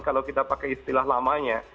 kalau kita pakai istilah lamanya